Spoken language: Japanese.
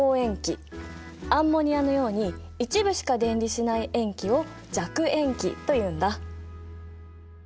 アンモニアのように一部しか電離しない塩基を弱塩基というんだ。